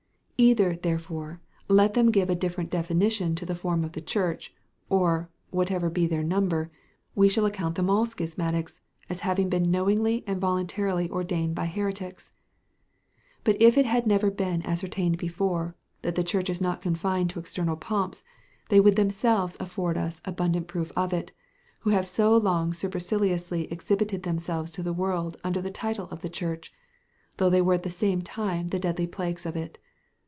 Either, therefore, let them give a different definition of the form of the Church, or, whatever be their number, we shall account them all schismatics, as having been knowingly and voluntarily ordained by heretics. But if it had never been ascertained before, that the Church is not confined to external pomps they would themselves afford us abundant proof of it, who have so long superciliously exhibited themselves to the world under the title of the Church, though they were at the same time the deadly plagues of it.